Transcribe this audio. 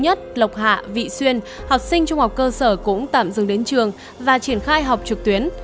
học sinh trung học cơ sở cũng tạm dừng đến trường và triển khai học trực tuyến